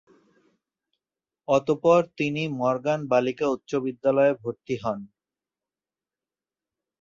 অতঃপর তিনি মর্গ্যান বালিকা উচ্চ বিদ্যালয়ে ভর্তি হন।